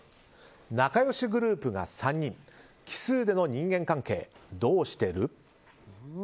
仲良しグループが３人奇数の人間関係どうしてる？